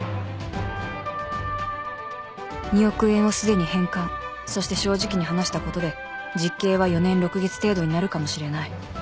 ２億円をすでに返還そして正直に話したことで実刑は４年６月程度になるかもしれない